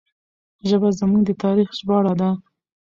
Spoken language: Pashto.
ژبه زموږ د تاریخ ژباړه ده.